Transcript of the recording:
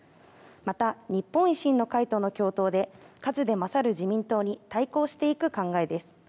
また、日本維新の会との共闘で数で勝る自民党に対抗していく考えです。